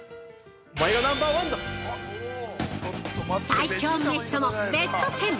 ◆最強メシとも、ベスト１０。